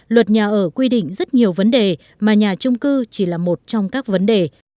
luật nhà ở quy định rất nhiều vấn đề mà nhà trung cư chỉ là một trong các vấn đề